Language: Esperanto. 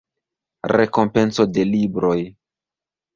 Rekompenco de Libroj.